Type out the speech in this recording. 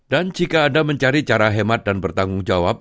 dan jika anda mencari cara hemat dan bertanggung jawab